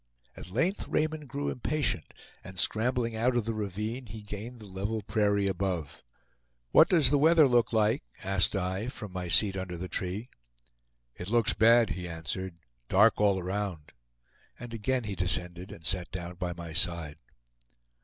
At length Raymond grew impatient, and scrambling out of the ravine, he gained the level prairie above. "What does the weather look like?" asked I, from my seat under the tree. "It looks bad," he answered; "dark all around," and again he descended and sat down by my side.